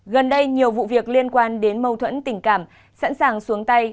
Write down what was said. gần đây nhiều vụ việc liên quan đến mâu thuẫn tình cảm sẵn sàng xuống tay